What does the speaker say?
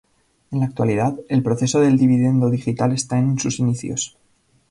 En la actualidad, el proceso del Dividendo Digital esta en sus inicios.